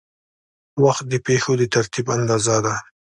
وخت د پېښو د ترتیب اندازه ده.